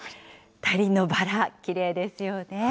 大輪のバラ、きれいですね。